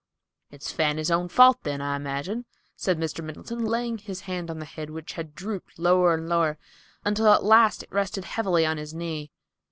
"It's Fanny's own fault, then, I imagine," said Mr. Middleton, laying his hand on the head which had drooped lower and lower, until at last it rested heavily on his knee.